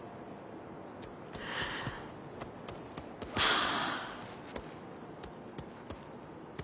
はあ。